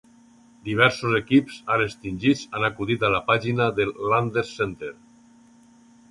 Diversos equips ara extingits han acudit a la pàgina del Landers Center.